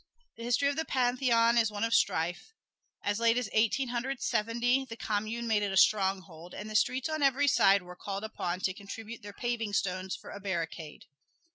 The history of the Pantheon is one of strife. As late as Eighteen Hundred Seventy the Commune made it a stronghold, and the streets on every side were called upon to contribute their paving stones for a barricade.